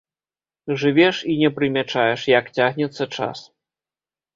Жывеш і не прымячаеш, як цягнецца час.